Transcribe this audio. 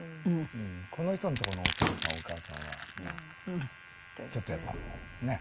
この人のとこのお父さんお母さんはちょっとやっぱねっ。